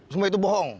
semua itu bohong